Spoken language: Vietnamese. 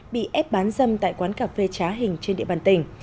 bị ép bán dâm tại quán cà phê trá hình trên địa bàn tỉnh